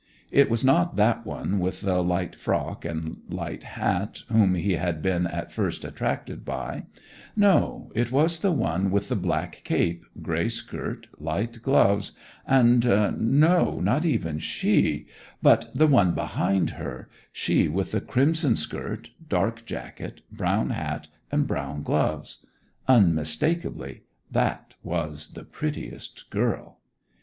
It was not that one with the light frock and light hat whom he had been at first attracted by; no, it was the one with the black cape, grey skirt, light gloves and—no, not even she, but the one behind her; she with the crimson skirt, dark jacket, brown hat and brown gloves. Unmistakably that was the prettiest girl.